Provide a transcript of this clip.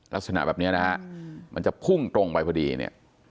ลักษณะแบบนี้นะฮะมันจะพุ่งตรงไปพอดีเนี่ย